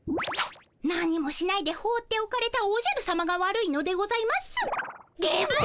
何もしないでほうっておかれたおじゃるさまが悪いのでございます。